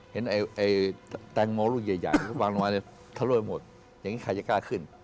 เห็นแตงโมรุใหญ่ไม้วางละวันทัลล่วยหมดอย่างนี้ใครจะกล้าขึ้น